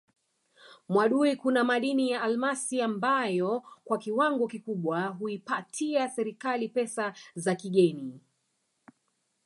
Mwadui kuna madini ya almasi ambayo kwa kiwango kikubwa huipatia serikali pesa za kigeni